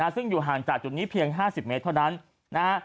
ซึ่งอยู่ห่างจากจุดนี้เพียง๕๐เมตรเท่านั้นนะฮะ